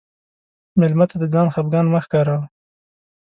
مېلمه ته د ځان خفګان مه ښکاروه.